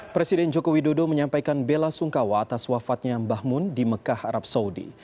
presiden joko widodo menyampaikan bela sungkawa atas wafatnya mbah mun di mekah arab saudi